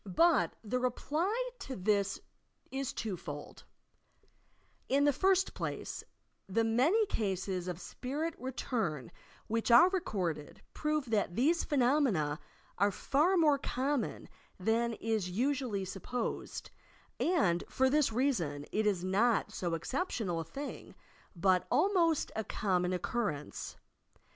But the reply to this is two fold: In the first place, the many cases of spirit retum which are recorded prove that these phenomena are far more common than is usually sup posed, and for this reason it is not so exceptional a thing, but almost a common occurrence.